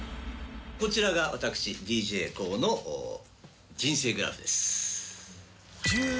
こちらが私ＤＪＫＯＯの人生グラフです。